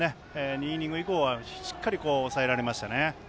２イニング以降はしっかり抑えられましたね。